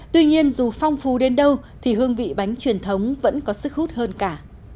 tuy nhiên dù phong phú đến đâu thì hương vị bánh truyền thống vẫn có sức hút hơn cả